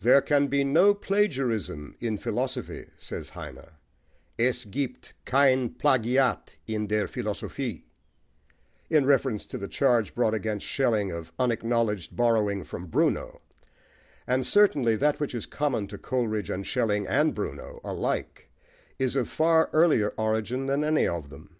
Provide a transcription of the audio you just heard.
"There can be no plagiarism in philosophy," says Heine: Es giebt kein Plagiat in der Philosophie, in reference to the charge brought against Schelling of unacknowledged borrowing from Bruno; and certainly that which is common to Coleridge and Schelling and Bruno alike is of far earlier origin than any of them.